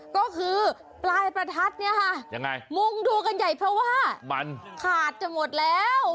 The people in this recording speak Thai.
ก็คือปลายประทัดเนี่ยมุงดูกันใหญ่เพราะว่าขาดจะหมดแล้ว